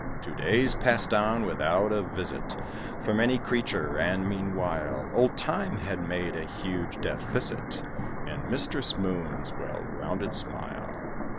Two days passed on without a visit From any creature; and, meanwhile, Old Time had made a huge deficit In Mistress Moon's well rounded smile.